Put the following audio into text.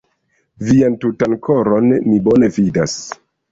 Vian tutan koron mi bone vidas.